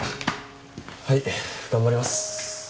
はい頑張ります。